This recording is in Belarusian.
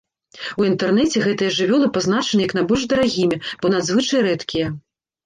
У інтэрнэце гэтыя жывёлы пазначаны як найбольш дарагімі, бо надзвычай рэдкія.